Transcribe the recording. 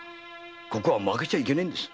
ここは負けちゃいけねえんです。